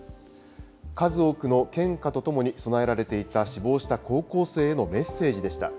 数多くの献花と共に供えられていた、死亡した高校生へのメッセージでした。